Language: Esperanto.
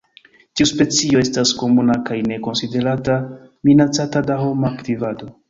Tiu specio estas komuna kaj ne konsiderata minacata de homa aktivado.